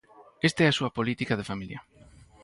Esta é a súa política de familia.